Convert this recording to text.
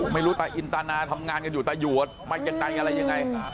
ไม่รู้แต่อินตานาทำงานกันอยู่แต่อยู่ไม่เก็บใจอะไรยังไง